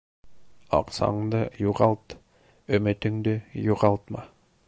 Аҡсаңды юғалт, өмөтөңдө юғалтма.